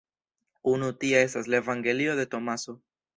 Unu tia estas la evangelio de Tomaso.